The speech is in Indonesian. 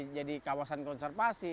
menjadi kawasan konservasi